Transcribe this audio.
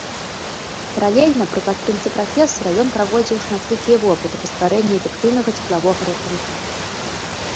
Паралельна, пры падтрымцы прафесара, ён праводзіў шматлікія вопыты па стварэнні эфектыўнага цеплавога рухавіка.